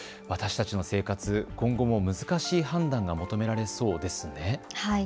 私たちの生活、今後も難しい判断が求められそうですね。